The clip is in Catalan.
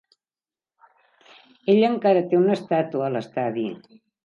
Ell encara té una estàtua a l'estadi.